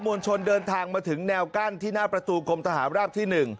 วลชนเดินทางมาถึงแนวกั้นที่หน้าประตูกรมทหารราบที่๑